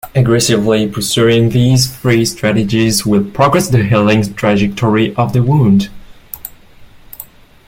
Aggressively pursuing these three strategies will progress the healing trajectory of the wound.